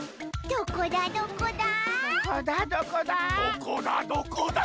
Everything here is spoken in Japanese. どこだどこだ？